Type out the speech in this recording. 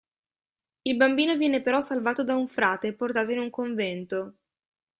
Il bambino viene però salvato da un frate e portato in un convento.